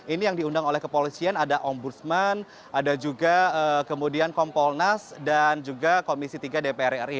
ini yang diundang oleh kepolisian ada ombudsman ada juga kemudian kompolnas dan juga komisi tiga dpr ri